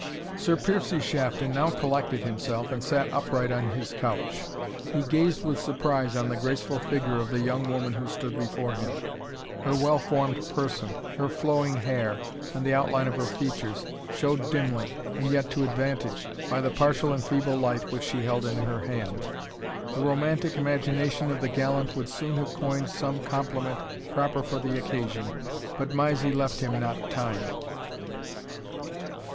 Sir Piercie Shafton now collected himself and sat upright on his couch. He gazed with surprise on the graceful figure of the young woman who stood before him; her well formed person, her flowing hair, and the outline of her features, showed dimly, and yet to advantage, by the partial and feeble light which she held in her hand. The romantic imagination of the gallant would soon have coined some compliment proper for the occasion, but Mysie left him not time.